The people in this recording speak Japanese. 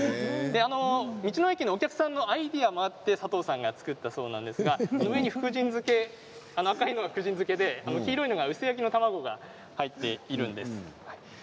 道の駅のお客さんのアイデアもあって佐藤さんが作ったそうなんですが上に福神漬け、赤いのが福神漬けで、黄色いのが薄焼きの卵が入っているんです。